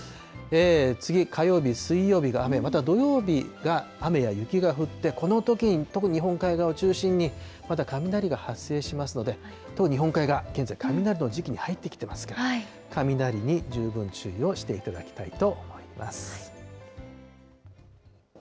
次ぎ、火曜日、水曜日が雨、または土曜日が雨や雪が降って、このとき、特に日本海側を中心に、また雷が発生しますので、特に日本海側、現在、雷の時期に入ってきてますから、雷に十分注意をしていただきたいと思います。